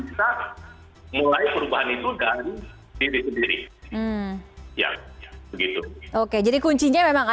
kalau saya lahir di dua juli itu adalah energi tiga